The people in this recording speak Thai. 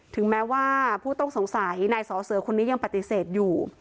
ถึงแม้ว่าผู้ต้องสงสัยนายสอเสือคนนี้ยังปฏิเสธอยู่